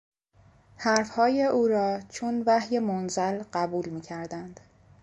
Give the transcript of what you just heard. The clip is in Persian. حرفهای او را چون وحی منزل قبول میکردند.